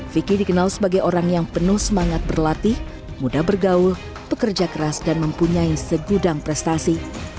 vicky dikenal sebagai orang yang penuh semangat berlatih mudah bergaul bekerja keras dan mempunyai segudang prestasi